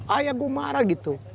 ayah gua marah gitu